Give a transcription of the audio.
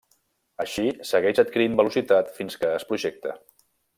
Així, segueix adquirint velocitat fins que es projecta.